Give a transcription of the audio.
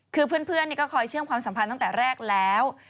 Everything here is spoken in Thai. คือเพื่อนก็คอยเชื่อมความสัมพันธ์ตั้งแต่แรกแล้ว